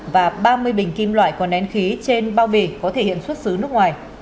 và ba mươi bình kim loại có nén khí trên bao bì có thể hiện xuất xứ nước ngoài